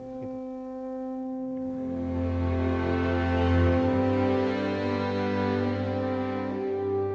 ini adalah perubahan yang kita lakukan